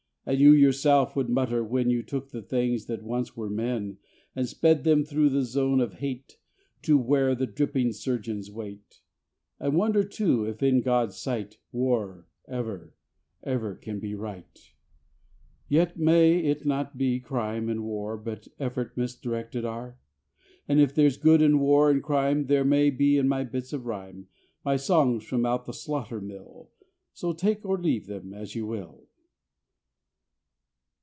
And you yourself would mutter when You took the things that once were men, And sped them through that zone of hate To where the dripping surgeons wait; And wonder too if in God's sight War ever, ever can be right. Yet may it not be, crime and war But effort misdirected are? And if there's good in war and crime, There may be in my bits of rhyme, My songs from out the slaughter mill: So take or leave them as you will.